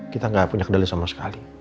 kita nggak punya kendali sama sekali